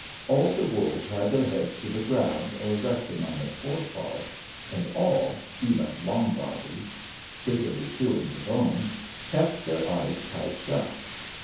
All the wolves had their heads to the ground or resting on their fore paws, and all even Long Body, busily chewing the bone kept their eyes tight shut.